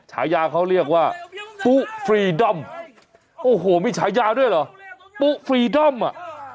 ฉายาเขาเรียกว่าปุ๊ฟรีดอมโอ้โหมีฉายาด้วยเหรอปุ๊ฟรีดอมอ่ะ